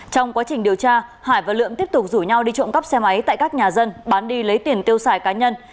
trong quá trình điều tra hải và lượm tiếp tục rủ nhau đi trộm cắp xe máy tại các nhà dân bán đi lấy tiền tiêu xài cá nhân